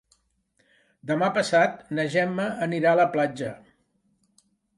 Demà passat na Gemma anirà a la platja.